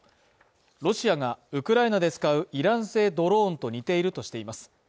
ロシアがウクライナで使うイラン製ドローンと似ているとしています。